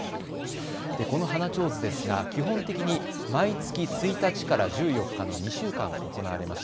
この花ちょうずですが基本的に毎月１日から１４日の２週間行われます。